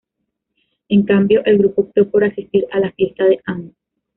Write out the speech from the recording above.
En cambio, el grupo optó por asistir a la fiesta de Ann.